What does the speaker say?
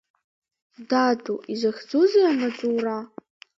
Даду, изахьӡузеи амаҵура?